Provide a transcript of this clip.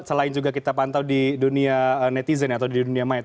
selain juga kita pantau di dunia netizen atau di dunia mayat